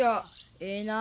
ええなあ。